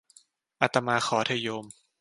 อาตมาขอเถอะโยม